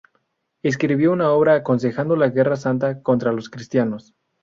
Escribió una obra aconsejando la guerra santa contra los cristianos.